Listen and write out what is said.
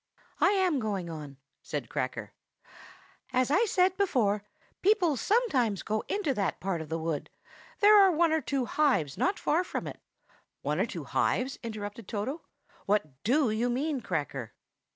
"I am going on," said Cracker. "As I said before, people sometimes go into that part of the wood; there are one or two hives not far from it." "One or two hives?" interrupted Toto. "What do you mean, Cracker?"